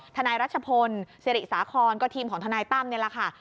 นายรัชพลสิริสาครก็ทีมของทนายตั้มนี่แหละค่ะ